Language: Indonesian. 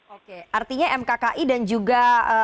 oke artinya mkki dan juga